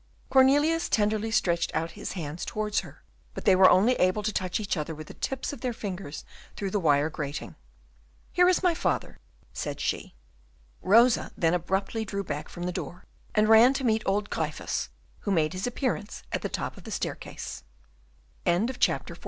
Cornelius tenderly stretched out his hands towards her, but they were only able to touch each other with the tips of their fingers through the wire grating. "Here is my father," said she. Rosa then abruptly drew back from the door, and ran to meet old Gryphus, who made his appearance at the top of the staircase. Chapter 15.